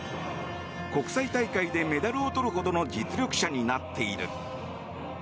国際大会でメダルをとるほどの実力者になっている。